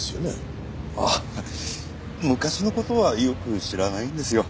あっ昔の事はよく知らないんですよ。